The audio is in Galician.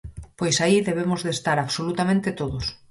Pois aí debemos de estar absolutamente todos.